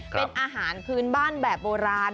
เป็นอาหารพื้นบ้านแบบโบราณ